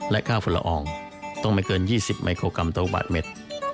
ค่าฝุ่นละอองต้องไม่เกิน๒๐มิโครกรัมต่อลูกบาทเมตร